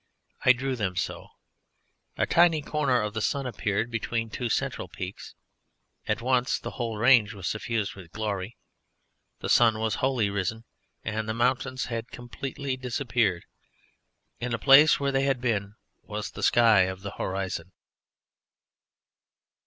I drew them so. A tiny corner of the sun appeared between two central peaks: at once the whole range was suffused with glory. The sun was wholly risen and the mountains had completely disappeared, in the place where they had been was the sky of the horizon.